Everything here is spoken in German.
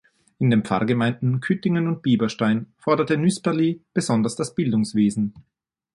In den Pfarrgemeinden Küttigen und Biberstein förderte Nüsperli besonders das Bildungswesen.